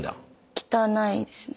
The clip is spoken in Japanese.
汚いですね。